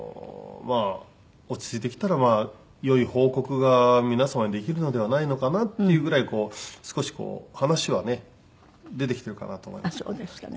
まあ落ち着いてきたら良い報告が皆様にできるのではないのかなっていうぐらい少しこう話はね出てきてるかなと思います。